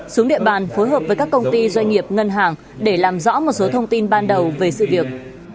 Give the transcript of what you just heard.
xuống địa bàn phối hợp với các công ty doanh nghiệp ngân hàng để làm rõ một số thông tin ban đầu về sự việc